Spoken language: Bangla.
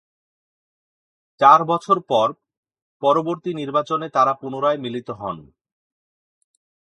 চার বছর পর পরবর্তী নির্বাচনে তারা পুনরায় মিলিত হন।